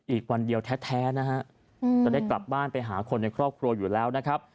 อีกวันเดียวแท้นะฮะจะได้กลับบ้านไปหาคนในครอบครัวอยู่แล้วนะครับ